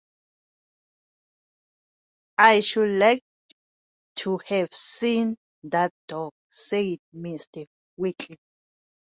‘I should like to have seen that dog,’ said Mr. Winkle.